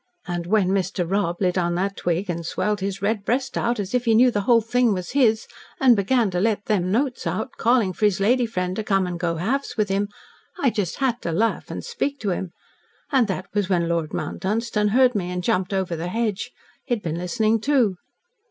And when Mr. Rob. lit on that twig and swelled his red breast as if he knew the whole thing was his, and began to let them notes out, calling for his lady friend to come and go halves with him, I just had to laugh and speak to him, and that was when Lord Mount Dunstan heard me and jumped over the hedge. He'd been listening, too."